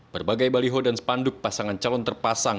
berbagai baliho dan spanduk pasangan calon terpasang